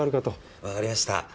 わかりました。